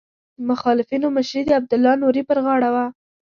د مخالفینو مشري د عبدالله نوري پر غاړه وه.